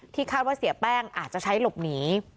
คาดว่าเสียแป้งอาจจะใช้หลบหนี